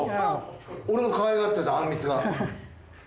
俺のかわいがってたあんみつが。